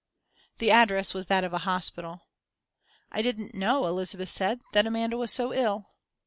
_" The address was that of a hospital. "I didn't know," Elizabeth said, "that Amanda was so ill."